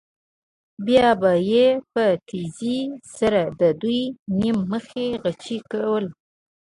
بیا به یې په تېزۍ سره د دوی نیم مخي غچي کول.